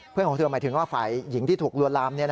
ของเธอหมายถึงว่าฝ่ายหญิงที่ถูกลวนลาม